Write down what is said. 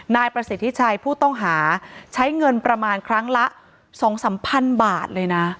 นายประสิทธิชัยผู้ต้องหาใช้เงินประมาณครั้งละ๒๓พันบาทเลยนะ